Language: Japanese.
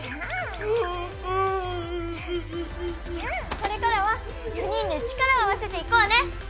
これからは４人で力を合わせていこうね！